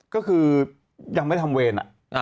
ก็คือยังไม่ทำเวร